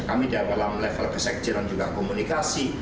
kami dalam level kesejilan juga komunikasi